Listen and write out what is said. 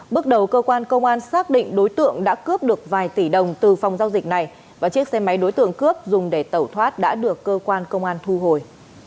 bước đầu cơ quan công an xác định đối tượng đã cướp được vài tỷ đồng từ phòng giao dịch này và chiếc xe máy đối tượng cướp dùng để tẩu thoát đã được cơ quan công an thu hồi